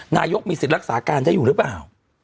นายกมีสิทธิ์รักษาการได้อยู่หรือเปล่า